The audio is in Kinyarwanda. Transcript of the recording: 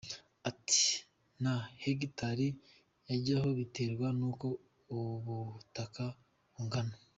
Ati “Na hegitari yajyaho, biterwa n’uko ubutaka bungana.